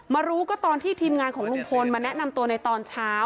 รู้ก็ตอนที่ทีมงานของลุงพลมาแนะนำตัวในตอนเช้า